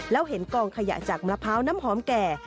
แล้วเห็นกองขยะจากมะพร้าวน้ำหอมแก่